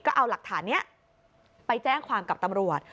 ก็เอาหลักฐานนี้ไปแจ้งความกับตำรวจ